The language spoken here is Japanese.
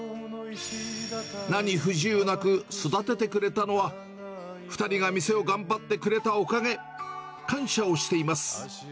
何不自由なく育ててくれたのは、２人が店を頑張ってくれたおかげ、感謝をしています。